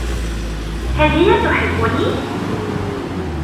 هل هي تحبني ؟